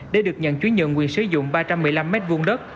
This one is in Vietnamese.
để được nhận chú nhận quyền sử dụng ba trăm một mươi năm mét vuông đất